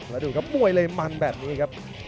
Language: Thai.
แล้วดูครับมวยเลยมันแบบนี้ครับ